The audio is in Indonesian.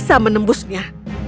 aku akan menembusnya